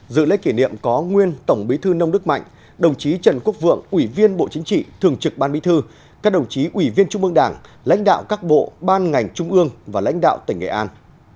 dự lễ kỷ niệm có nguyên tổng bí thư nông đức mạnh đồng chí trần quốc vượng ủy viên bộ chính trị thường trực ban bí thư các đồng chí ủy viên trung mương đảng lãnh đạo các bộ ban ngành trung ương và lãnh đạo tỉnh nghệ an